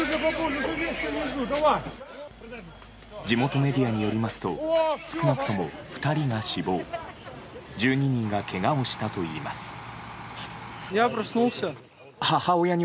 地元メディアによりますと少なくとも２人が死亡１２人がけがをしたといいます。